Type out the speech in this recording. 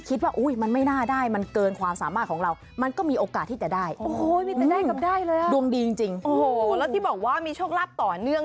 คิดว่ามันไม่หน้าได้มันเกินความสามารถของเรามันก็มีโอกาสที่จะได้โอ้ยก็คือรักต่อเนื่อง